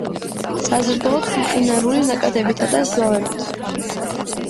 საზრდოობს მყინვარული ნაკადებითა და ზვავებით.